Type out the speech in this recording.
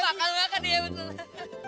makan makan ya betul